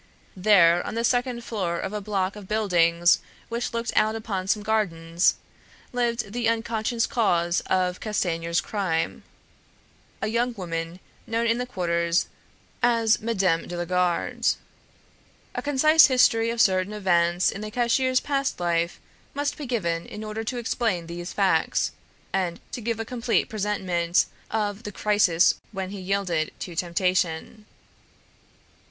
There, on the second floor of a block of buildings which looked out upon some gardens, lived the unconscious cause of Castanier's crime a young woman known in the quarter as Mme. de la Garde. A concise history of certain events in the cashier's past life must be given in order to explain these facts, and to give a complete presentment of the crisis when he yielded to temptation.